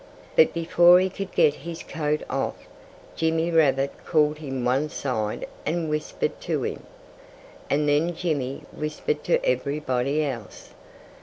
But before he could get his coat off, Jimmy Rabbit called him one side and whispered to him. And then Jimmy whispered to everybody else.